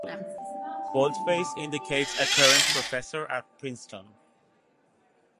Boldface indicates a current professor at Princeton.